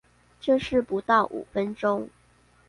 這是不到五分鐘